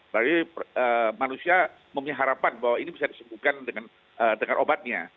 berarti manusia memiliki harapan bahwa ini bisa disembuhkan dengan obatnya